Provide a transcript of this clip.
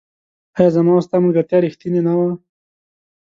آيا زما او ستا ملګرتيا ريښتيني نه وه